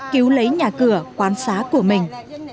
cứu lấy nhà cửa quán xá của mình